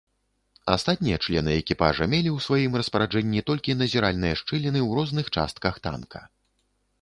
Астатнія члены экіпажа мелі ў сваім распараджэнні толькі назіральныя шчыліны ў розных частках танка.